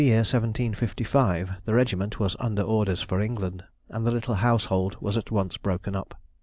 _] Towards the end of the year 1755 the regiment was under orders for England, and the little household was at once broken up.